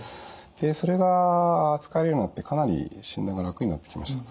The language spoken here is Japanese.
それが扱えるようになってかなり診断が楽になってきました。